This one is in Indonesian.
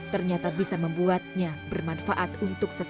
ternyata bisa membuatnya bermanfaat untuk sesuatu